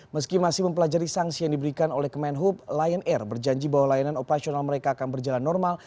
meski masih mempelajari sanksi yang diberikan oleh kemenhub lion air berjanji bahwa layanan operasional mereka akan berjalan normal